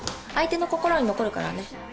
相手の心に残るからね。